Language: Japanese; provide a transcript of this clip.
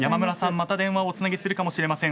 また電話をおつなぎするかもしれません。